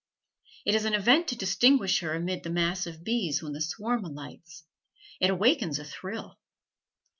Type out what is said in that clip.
It is an event to distinguish her amid the mass of bees when the swarm alights; it awakens a thrill.